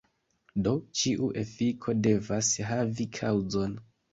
Do, ĉiu efiko devas havi kaŭzon.